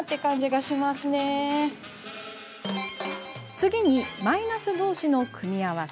次にマイナスどうしの組み合わせ。